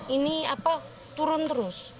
ini apa turun terus